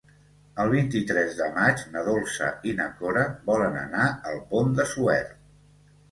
El vint-i-tres de maig na Dolça i na Cora volen anar al Pont de Suert.